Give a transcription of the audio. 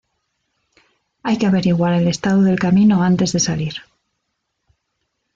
Hay que averiguar el estado del camino antes de salir.